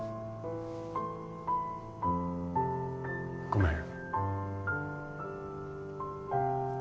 ごめん